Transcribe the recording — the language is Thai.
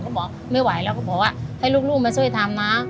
เขาบอกไม่ไหวแล้วก็บอกว่าให้ลูกมาช่วยทำนะ